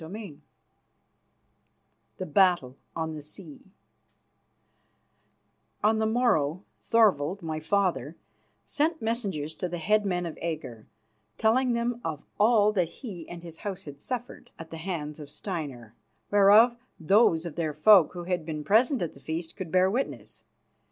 CHAPTER V THE BATTLE ON THE SEA On the morrow Thorvald, my father, sent messengers to the head men of Agger, telling them of all that he and his House had suffered at the hands of Steinar, whereof those of their folk who had been present at the feast could bear witness.